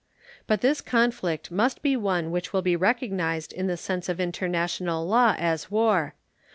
But this conflict must be one which will be recognized in the sense of international law as war.